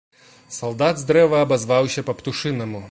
Салдат з дрэва абазваўся па-птушынаму.